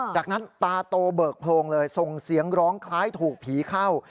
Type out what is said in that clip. จากนั้นตาโตเบิกโพรงเลยส่งเสียงร้องคล้ายถูกผีเข้า